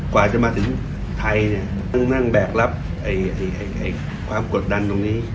กว่าจะมาถึงไทยเนี่ยต้องนั่งแบกรับความกดดันตรงนี้